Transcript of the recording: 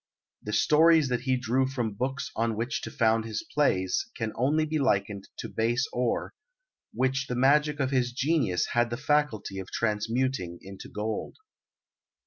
The stories that he drew from books on which to found his plays can only be likened to base ore, which the magic of his genius had the faculty of transmuting into gold.